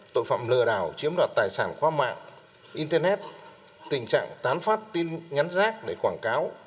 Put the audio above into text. tội phạm lừa đảo chiếm đoạt tài sản qua mạng internet tình trạng tán phát tin nhắn rác để quảng cáo